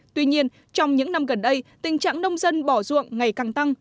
tuy nhiên trong những năm gần đây tình trạng nông dân bỏ ruộng ngày càng tăng